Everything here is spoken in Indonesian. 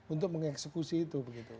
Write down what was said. untuk mengeksekusi itu begitu